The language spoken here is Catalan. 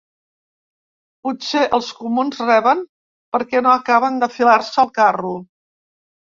Potser els comuns reben perquè no acaben d’enfilar-se al carro.